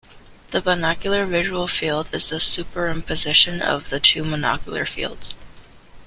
The binocular visual field is the superimposition of the two monocular fields.